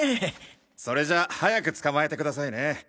それじゃあ早く捕まえてくださいね。